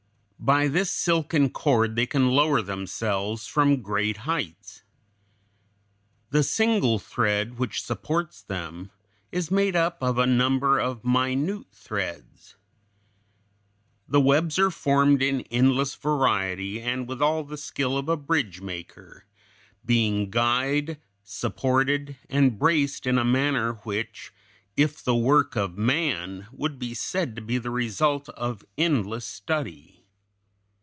By this silken cord they can lower themselves from great heights. The single thread which supports them is made up of a number of minute threads (Fig. 171). The webs are formed in endless variety and with all the skill of a bridge maker, being guyed, supported, and braced in a manner which, if the work of man, would be said to be the result of endless study.